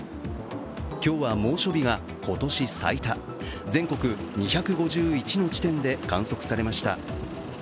今日は猛暑日が今年最多、全国２５１の地点で観測されました。